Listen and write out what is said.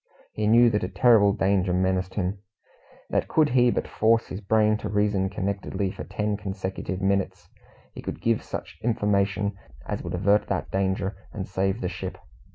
He knew that a terrible danger menaced him; that could he but force his brain to reason connectedly for ten consecutive minutes, he could give such information as would avert that danger, and save the ship.